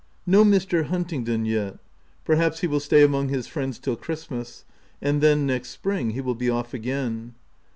— No Mr. Huntingdon yet. Perhaps he will stay among his friends till Christmas ; and then, next spring, he will be off again.